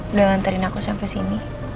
udah ngantarin aku sampai sini